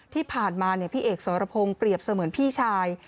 ที่ผ่านมาพี่เอกสรพงศ์เปรียบเสมือนพี่ชาย